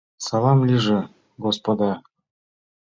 — Салам лийже, господа!